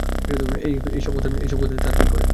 এই সব বাইক দিয়ে তারা কি করে?